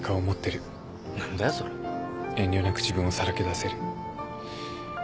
遠慮なく自分をさらけ出せる。